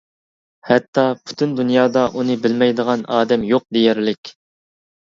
ھەتتا پۈتۈن دۇنيادا ئۇنى بىلمەيدىغان ئادەم يوق دېيەرلىك.